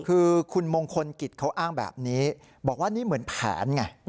คือคุณมงคลกิจเขาอ้างแบบนี้บอกว่านี่เหมือนแผนไง